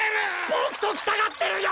僕と来たがってるよ！